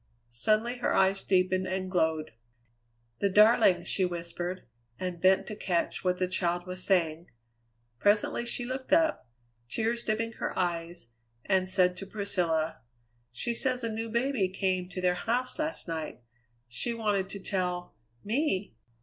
Suddenly her eyes deepened and glowed. "The darling!" she whispered, and bent to catch what the child was saying. Presently she looked up, tears dimming her eyes, and said to Priscilla, "She says a new baby came to their house last night. She wanted to tell me!"